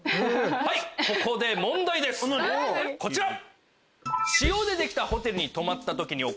ここで問題ですこちら！